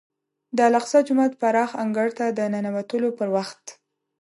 د الاقصی جومات پراخ انګړ ته د ننوتلو پر وخت.